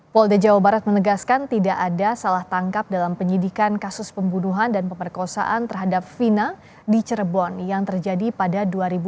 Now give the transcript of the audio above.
polda jawa barat menegaskan tidak ada salah tangkap dalam penyidikan kasus pembunuhan dan pemerkosaan terhadap fina di cirebon yang terjadi pada dua ribu dua belas